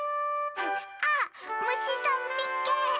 あっむしさんみっけ！